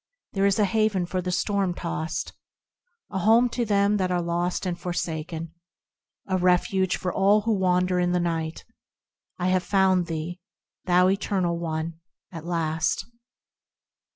There is a haven for the storm tossed. A home for them that are lost and forsaken. A refuge for all who wander in the Night. I have found thee, thou eternal One, at last